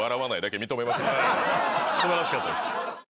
素晴らしかったです。